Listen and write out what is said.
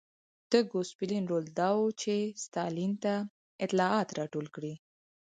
د ګوسپلین رول دا و چې ستالین ته اطلاعات راټول کړي